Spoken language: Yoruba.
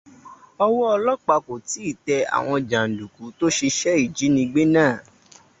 Ọwọ́ ọlọ́pàá kò tíì tẹ àwọn jàńdùkú tó ṣiṣẹ́ ìjínigbé náà.